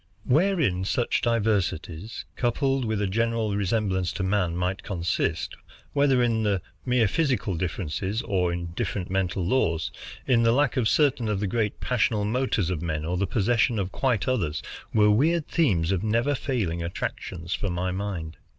Wherein such diversities, coupled with a general resemblance to man, might consist, whether in mere physical differences or in different mental laws, in the lack of certain of the great passional motors of men or the possession of quite others, were weird themes of never failing attractions for my mind.